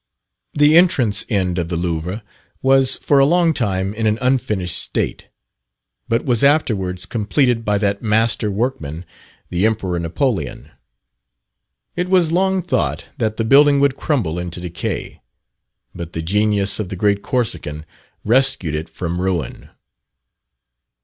The entrance end of the Louvre was for a long time in an unfinished state, but was afterwards completed by that master workman, the Emperor Napoleon. It was long thought that the building would crumble into decay, but the genius of the great Corsican rescued it from ruin.